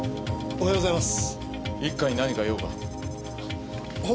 おはようございます！